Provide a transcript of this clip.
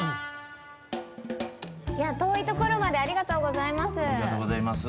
遠いところまでありがとうございます。